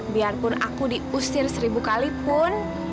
biarpun aku diusir seribu kalipun